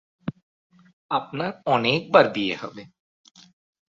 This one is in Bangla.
আপনার অনেকবার বিয়ে হবে।